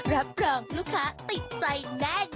รับรองลูกค้าติดใจแน่น